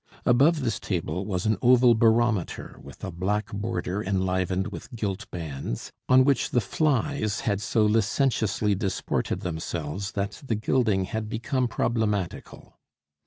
Above this table was an oval barometer with a black border enlivened with gilt bands, on which the flies had so licentiously disported themselves that the gilding had become problematical.